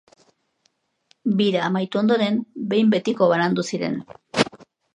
Bira amaitu ondoren behin betiko banandu ziren.